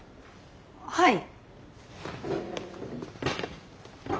はい。